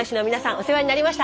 お世話になりました。